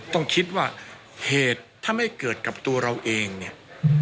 ต้องคิดว่าเหตุถ้าไม่เกิดกับตัวเราเองเนี่ย